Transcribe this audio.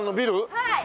はい！